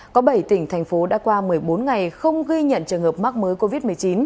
có bảy tỉnh thành phố đã qua một mươi bốn ngày không ghi nhận trường hợp mắc mới covid một mươi chín